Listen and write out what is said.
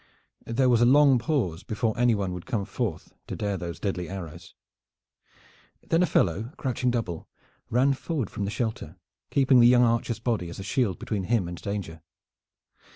There was a long pause before anyone would come forth to dare those deadly arrows. Then a fellow, crouching double, ran forward from the shelter, keeping the young archer's body as a shield between him and danger.